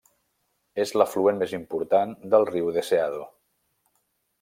És l'afluent més important del riu Deseado.